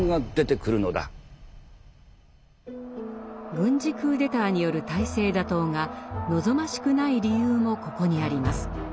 軍事クーデターによる体制打倒が望ましくない理由もここにあります。